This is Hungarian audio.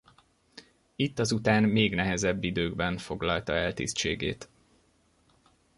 Itt azután még nehezebb időkben foglalta el tisztségét.